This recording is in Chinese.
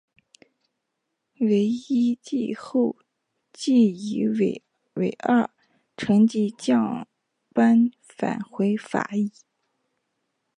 惟一季后即以尾二成绩降班返回法乙。